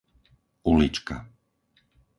Ulička